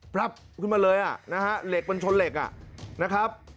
รับขึ้นมาเลยอ่ะนะฮะเหล็กมันชนเหล็กนะครับ